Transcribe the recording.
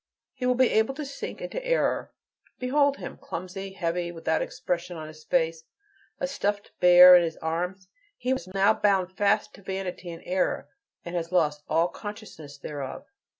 He will be able to sink into error; behold him, clumsy, heavy, without expression in his face, a stuffed bear in his arms! He is now bound fast to vanity and error, and has lost all consciousness thereof.